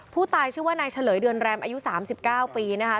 ผู้ตายชื่อว่านายเฉลยเดือนแรมอายุ๓๙ปีนะคะ